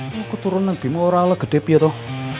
kok keturunan bimora lah gede gede toh